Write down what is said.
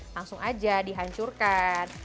langsung aja dihancurkan